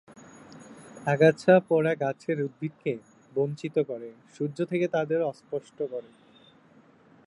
আগাছা পোড়া গাছের উদ্ভিদকে বঞ্চিত করে, সূর্য থেকে তাদের অস্পষ্ট করে।